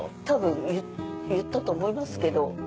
たぶん言ったと思いますけど。